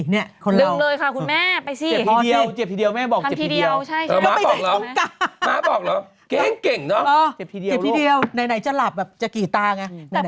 เขาเริ่มเลยค่ะคุณแม่